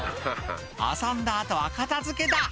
「遊んだ後は片付けだ」